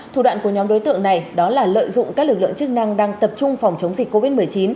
thủ đoạn của nhóm đối tượng này đó là lợi dụng các lực lượng chức năng đang tập trung phòng chống dịch covid một mươi chín